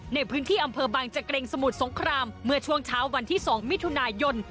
ในพื้นที่อำเภอบางจักรงสมุทรสงครามเมื่อช่วงเช้าวันที่๒มิถุนายน